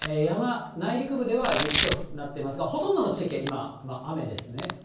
山、内陸部では雪となっていますが、ほとんどの地域は今、雨ですね。